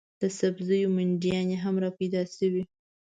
د سبزیو منډیانې هم رایادې شوې.